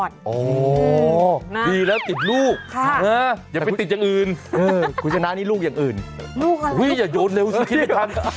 ดีแล้วติดลูกอย่าไปติดอย่างอื่นคุณชนะนี่ลูกอย่างอื่นอย่าโยนเร็วสักขี้ทัน